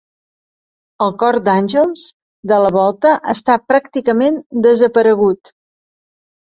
El Cor d'Àngels de la volta està pràcticament desaparegut.